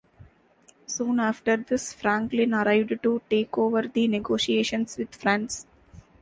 Soon after this, Franklin arrived to take over the negotiations with France.